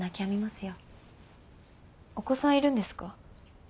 お子さんいるんですか？